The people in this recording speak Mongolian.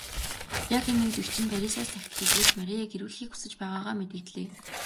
Яг энэ үед эгч нь Парисаас захидал илгээж Марияг ирүүлэхийг хүсэж байгаагаа мэдэгдлээ.